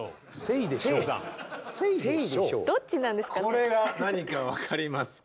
これが何か分かりますか？